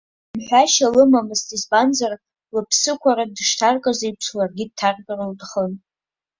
Мҳәашьа лымамызт, избанзар, лыԥсықәара дышҭаркыз еиԥш, ларгьы дҭаркыр лҭахын.